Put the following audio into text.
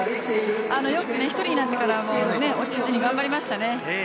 よく１人になってからも落ちずに頑張りましたね。